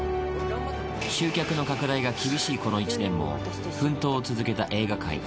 集客の拡大が厳しいこの一年も、奮闘を続けた映画界。